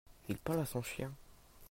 il parle à son chien.